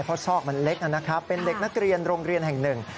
เพราะซอกมันเล็กนะครับเป็นเด็กนักเรียนโรงเรียนแห่งหนึ่ง